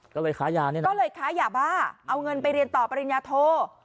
ก็เลยค้ายานี่แหละก็เลยค้ายาบ้าเอาเงินไปเรียนต่อปริญญาโท